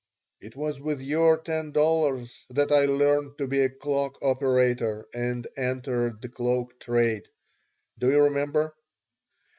"It was with your ten dollars that I learned to be a cloak operator and entered the cloak trade. Do you remember?"